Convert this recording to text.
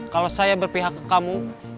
kalau saya berpihak ke kamu